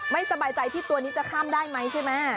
ไม่สบายใจที่ตัวนี้จะข้ามได้ไหมใช่ไหม